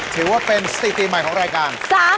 ถือว่าเป็นสถิติใหม่ของรายการ